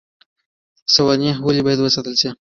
سوانح ولې باید وساتل شي؟